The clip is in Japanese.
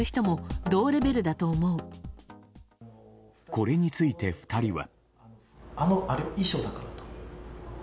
これについて、２人は。